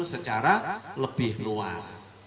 secara lebih luas